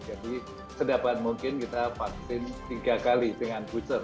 jadi sedapat mungkin kita vaksin tiga kali dengan booster